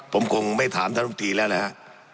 ผมคงไม่ถามท่านลำตีแล้วนะฮะ